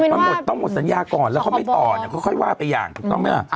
มันหมดต้องหมดสัญญาก่อนแล้วเขาไม่ต่อเนี่ยค่อยว่าไปอย่างถูกต้องไหมล่ะ